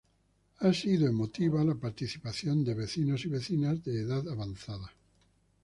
ha sido emotivo la participación de vecinos y vecinas de avanzada edad